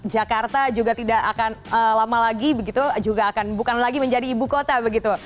jakarta juga tidak akan lama lagi begitu juga akan bukan lagi menjadi ibu kota begitu